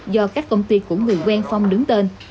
do các công ty của người quen phong đứng tên